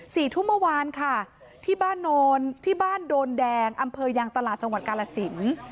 สี่ทุ่มเมื่อวานค่ะที่บ้านโนนที่บ้านโดนแดงอำเภอยางตลาดจังหวัดกาลสิน